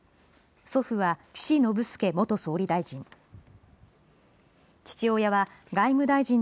祖父は岸信介元総理大臣。